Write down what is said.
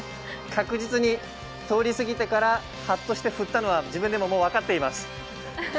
確実に通りすぎてからはっとして、振ったのは自分でももう分かっています。